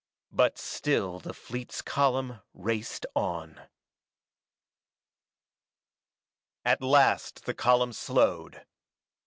But still the fleet's column raced on. At last the column slowed.